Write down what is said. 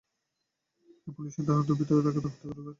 পুলিশের ধারণা, দুর্বৃত্তরা তাকে হত্যা করে লাশ পুকুরের পাশে ফেলে যায়।